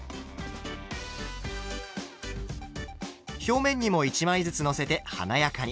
表面にも１枚ずつのせて華やかに。